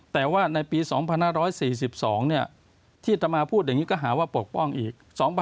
แต่ว่าในปี๒๕๔๒ที่ต่อมาพูดอย่างนี้ก็หาว่าปกป้องอีก